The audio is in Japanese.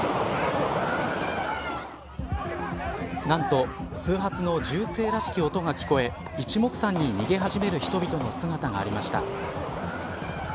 何と数発の銃声らしき音が聞こえ一目散に逃げ始める人々の姿がありました。